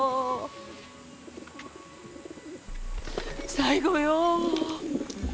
最後よ。